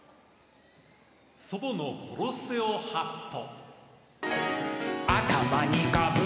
「祖母のコロッセオハット」。